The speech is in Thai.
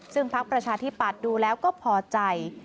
ซึ่งพักประชาธิปัตย์ดูแล้วก็พอใจ